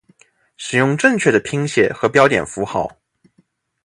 使用正确的拼写和标点符号